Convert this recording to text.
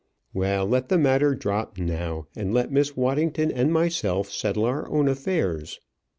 "Well, let the matter drop now; and let Miss Waddington and myself settle our own affairs."